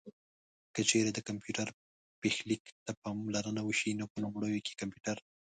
که چېرې د کمپيوټر پيښليک ته پاملرنه وشي نو په لومړيو کې کمپيوټر